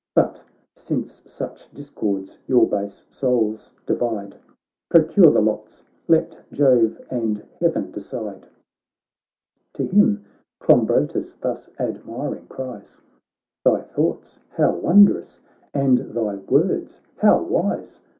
But since such discords your base souls divide. Procure the lots, let Jove and Heaven decide.' To him Clombrotus thus admiring cries :' Thy thoughts how wondrous, and thy words how wise